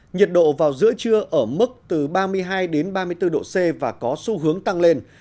nhiệt độ vào giữa trưa ở mức từ ba mươi hai ba mươi bốn độ c và có xu hướng tăng lên